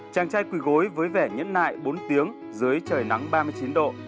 chàng trai quỳ gối với vẻ nhẫn nại bốn tiếng dưới trời nắng ba mươi chín độ